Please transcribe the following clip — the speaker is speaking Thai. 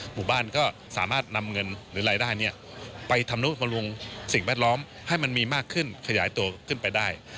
หมู่บ้านก็สามารถนำเงินหรือรายได้ไปทำนุบำรุงสิ่งแวดล้อมให้มันมีมากขึ้นขยายตัวขึ้นไปได้